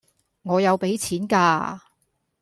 我有俾錢嫁